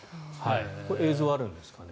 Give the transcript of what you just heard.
これ、映像あるんですかね。